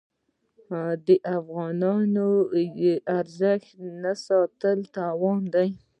د افغانۍ ارزښت نه ساتل تاوان دی.